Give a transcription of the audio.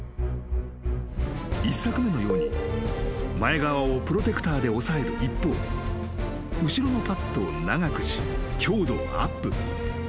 ［１作目のように前側をプロテクターで押さえる一方後ろのパットを長くし強度をアップ］